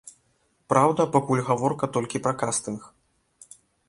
Праўда, пакуль гаворка толькі пра кастынг.